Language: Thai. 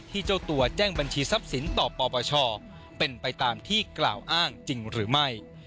เจ้าตัวแจ้งบัญชีทรัพย์สินต่อปปชเป็นไปตามที่กล่าวอ้างจริงหรือไม่